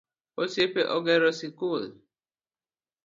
Osiepe ogero sikul